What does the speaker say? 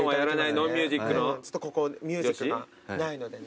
ちょっとここミュージックがないのでね。